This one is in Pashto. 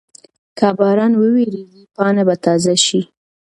که باران وورېږي پاڼه به تازه شي.